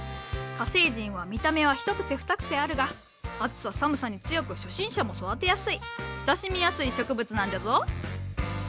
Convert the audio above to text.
火星人は見た目は一癖二癖あるが暑さ寒さに強く初心者も育てやすい親しみやすい植物なんじゃぞ。